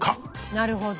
なるほど。